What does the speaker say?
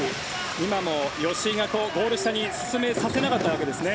今も吉井がゴール下に進めさせなかったわけですね。